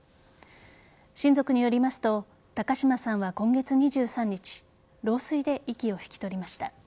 親族によりますと高嶋さんは今月２３日老衰で息を引き取りました。